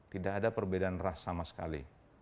tidak ada perbedaan ras sama sekali